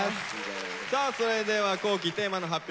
さあそれでは皇輝テーマの発表